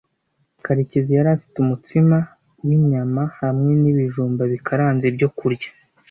Karekezi yari afite umutsima winyama hamwe nibijumba bikaranze byo kurya.